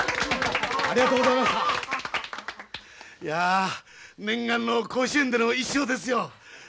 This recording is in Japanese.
いや念願の甲子園での１勝ですよ。